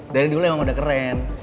dari dulu emang udah keren